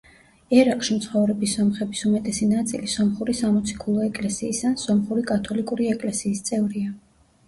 ერაყში მცხოვრები სომხების უმეტესი ნაწილი სომხური სამოციქულო ეკლესიის ან სომხური კათოლიკური ეკლესიის წევრია.